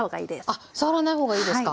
あっ触らない方がいいですか。